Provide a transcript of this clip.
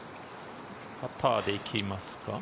パターで行きますか？